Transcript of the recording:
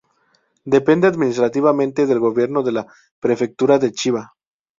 Depende administrativamente del gobierno de la Prefectura de Chiba.